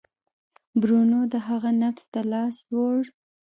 برونو د هغه نبض ته لاس ووړ.